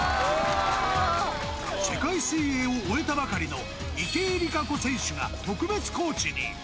世界水泳を終えたばかりの池江璃花子選手が特別コーチに。